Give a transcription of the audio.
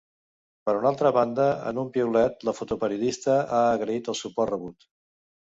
Per una altra banda, en un piulet, la fotoperiodista ha agraït el suport rebut.